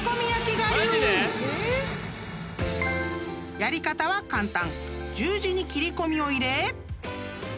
［やり方は簡単］